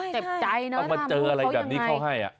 เจ็บใจนะทำรู้เขาอย่างไร